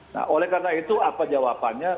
nah oleh karena itu apa jawabannya